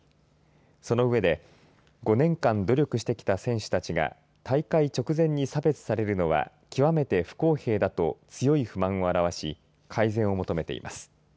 その上で５年間努力してきた選手たちが大会直前に差別されるは極めて不公平だと強い不満も表し改善を求めています。